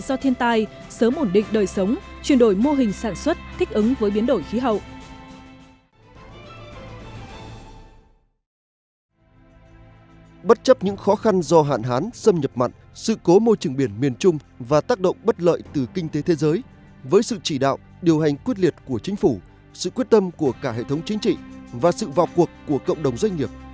do hạn hán xâm nhập mạn sự cố môi trường biển miền trung và tác động bất lợi từ kinh tế thế giới với sự chỉ đạo điều hành quyết liệt của chính phủ sự quyết tâm của cả hệ thống chính trị và sự vào cuộc của cộng đồng doanh nghiệp